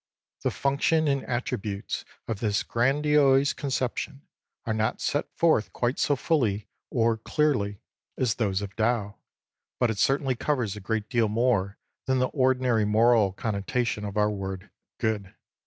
The function and attributes of this grandiose conception are not set forth quite so fully or clearly as those of Tao, but it certainly covers a great deal more than the ordinary moral connotation of our word " good."